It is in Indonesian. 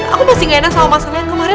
aku masih gak enak sama masanya yang kemarin